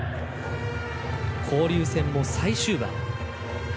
交流戦も最終盤。